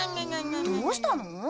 どうしたの？